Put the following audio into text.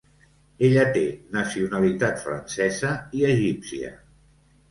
Ella té nacionalitat francesa i egípcia.